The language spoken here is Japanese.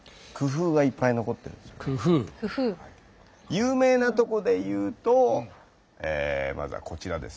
有名なとこでいうとえまずはこちらですね